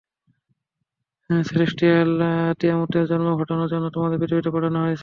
Celestial তিয়ামুতের জন্ম ঘটানোর জন্য তোমাদের পৃথিবীতে পাঠানো হয়েছিলো।